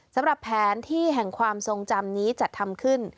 สำหรับแผนที่แห่งความทรงจำนี้จัดทำขึ้น